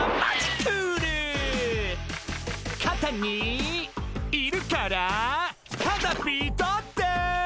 「かたにいるからカタピーだって」